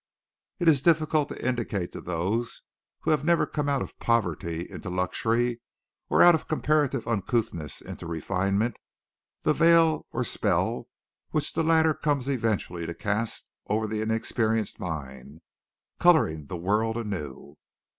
It is difficult to indicate to those who have never come out of poverty into luxury, or out of comparative uncouthness into refinement, the veil or spell which the latter comes eventually to cast over the inexperienced mind, coloring the world anew.